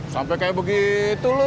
sampai kayak begitu lu